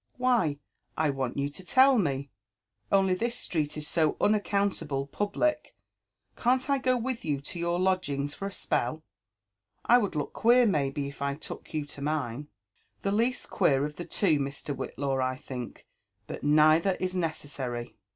*' Why, I want you to tell me * only this street is so unaccountable pQbllc, *can't I go with you to your lodgings for a spell? 'Twould look queer maybe if I took you to mine." '* The least queer of the two, Mr. Whitlaw, I think; but neither IS necessary.